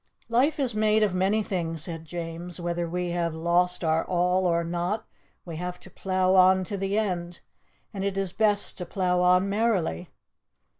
"Life is made of many things," said James; "whether we have lost our all or not, we have to plough on to the end, and it is best to plough on merrily.